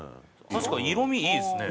確かに色味いいですね。